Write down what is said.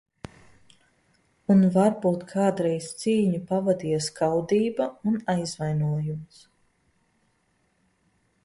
Un varbūt kādreiz cīņu pavadīja skaudība un aizvainojums.